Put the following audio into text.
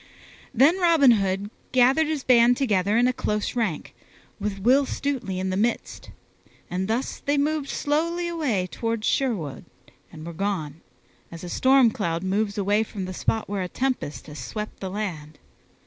Then Robin Hood gathered his band together in a close rank, with Will Stutely in the midst, and thus they moved slowly away toward Sherwood, and were gone, as a storm cloud moves away from the spot where a tempest has swept the land.